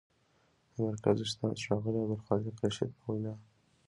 د مرکز استاد، ښاغلي عبدالخالق رشید په وینا: